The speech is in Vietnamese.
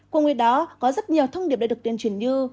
cùng với đó có rất nhiều thông điệp đã được tuyên truyền như